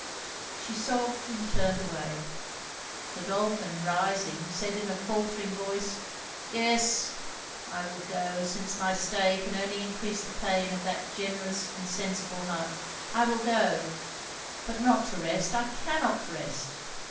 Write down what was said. She sobbed, and turned away. Godolphin rising, said in a faultering voice 'Yes, I will go! since my stay can only encrease the pain of that generous and sensible heart. I will go but not to rest! I cannot rest!